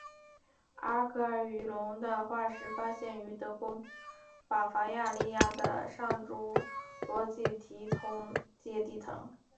阿戈尔鱼龙的化石发现于德国巴伐利亚的上侏罗纪提通阶地层。